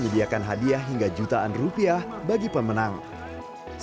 jadi pesertanya enam puluh empat peserta mas